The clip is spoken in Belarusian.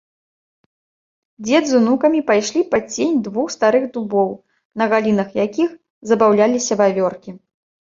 Дзед з унукамі пайшлі пад цень двух старых дубоў, на галінах якіх забаўляліся вавёркі.